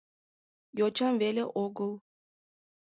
Йочам веле огыл.